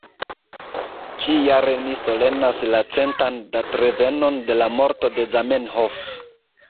Ĉi-jare ni solenas la centan datrevenon de la morto de Zamenhof.